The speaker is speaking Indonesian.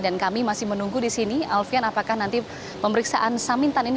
dan kami masih menunggu di sini alvian apakah nanti pemeriksaan samintan ini